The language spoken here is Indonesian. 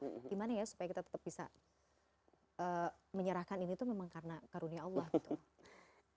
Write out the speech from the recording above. gimana ya supaya kita tetep bisa menyerahkan ini karena karunia allah gitu